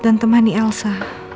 dan temani elsa